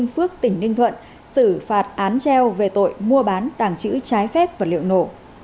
phước tỉnh ninh thuận xử phạt án treo về tội mua bán tảng chữ trái phép vật liệu nổ